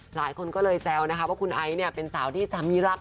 หลายคนก็เลยแจลว่าคุณไอ้เป็นสาวที่สามีรัก